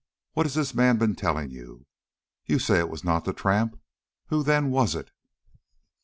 What has this man been telling you? You say it was not the tramp. Who, then, was it?"